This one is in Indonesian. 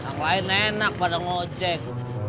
yang lain enak pada ngocek